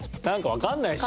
わかんないし。